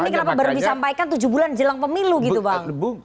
ini kenapa baru disampaikan tujuh bulan jelang pemilu gitu bang